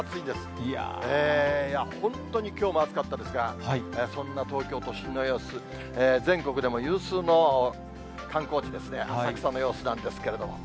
いや、本当にきょうも暑かったんですが、そんな東京都心の様子、全国でも有数の観光地ですね、浅草の様子なんですけれども。